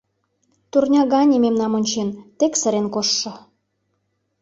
Турня гане мемнам ончен, тек сырен коштшо!